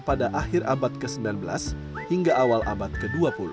pada akhir abad ke sembilan belas hingga awal abad ke dua puluh